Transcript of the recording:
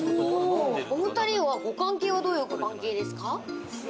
お２人はご関係はどういうご関係ですか？